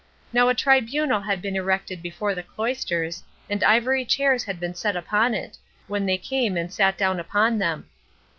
Now a tribunal had been erected before the cloisters, and ivory chairs had been set upon it, when they came and sat down upon them.